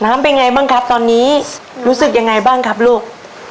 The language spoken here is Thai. เป็นไงบ้างครับตอนนี้รู้สึกยังไงบ้างครับลูก